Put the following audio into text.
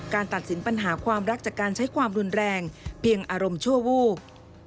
ตัดสินปัญหาความรักจากการใช้ความรุนแรงเพียงอารมณ์ชั่ววูบ